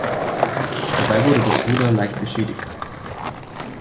Dabei wurde das Ruder leicht beschädigt.